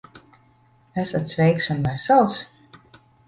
Esat sveiks un vesels?